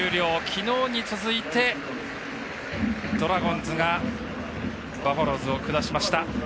きのうに続いてドラゴンズがバファローズを下しました。